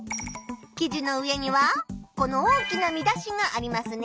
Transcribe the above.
記事の上にはこの大きな見出しがありますね。